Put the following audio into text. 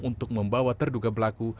untuk membawa terduga pelaku